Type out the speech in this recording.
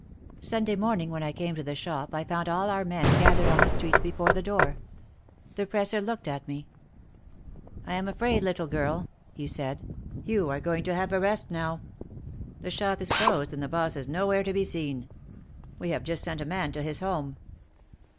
Sunday morning when I came to the shop I found all our men gathered on the street before the door. The presser looked at me. "I am afraid, little girl," he said, 132 OUT OF THE SHADOW "you are going to have a rest now. The shop is closed and the boss is nowhere to be seen. We have just sent a man to his home.